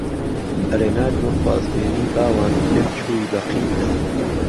ئهرێ ناردمه خوازبێنی باوان لێم چووی به قیندا